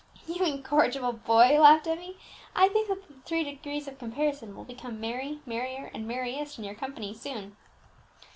"You incorrigible boy!" laughed Emmie; "I think that the three degrees of comparison will become merry, merrier, and merriest in your company soon."